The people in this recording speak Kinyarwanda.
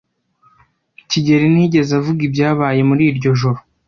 kigeli ntiyigeze avuga ibyabaye muri iryo joro.